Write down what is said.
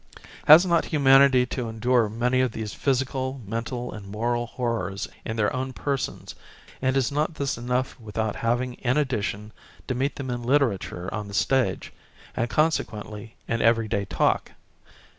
Has not humanity to endure many of these physical, mental and moral horrors in their own persons, and is not this enough without having, in addition, to meet them in literature â€" on the stage, and consequently, in every day talk?